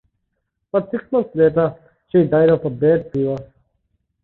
But six month later, she died of a bad fever.